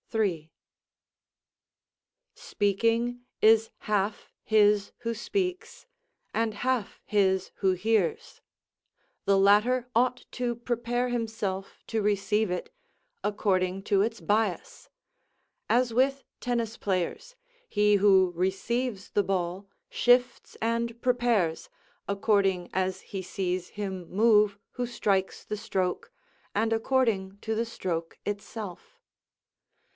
3.] Speaking is half his who speaks, and half his who hears; the latter ought to prepare himself to receive it, according to its bias; as with tennis players, he who receives the ball, shifts and prepares, according as he sees him move who strikes the stroke, and according to the stroke itself.